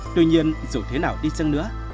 tuy nhiên dù thế nào đi chăng nữa